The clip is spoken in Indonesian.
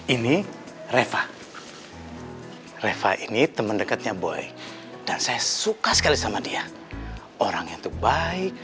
ini reva reva ini teman dekatnya boy dan saya suka sekali sama dia orangnya itu baik